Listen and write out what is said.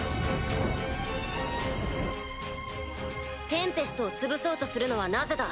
テンペストを潰そうとするのはなぜだ。